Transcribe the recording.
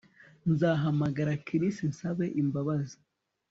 Nzahamagara Chris nsabe imbabazi